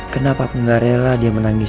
kenapa aku gak rela dia menangis